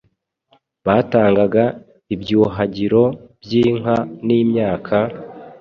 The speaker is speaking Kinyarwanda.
batangaga ibyuhagiro by’inka n’imyaka,